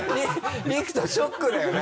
陸斗ショックだよな。